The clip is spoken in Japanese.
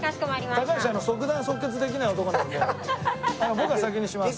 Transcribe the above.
高橋は即断即決できない男なので僕が先にします。